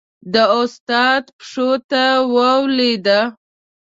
د استاد پښو ته ولوېده.